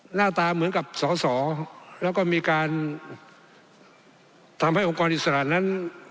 หน้าตาเหมือนกับสอสอแล้วก็มีการทำให้องค์กรอิสระนั้น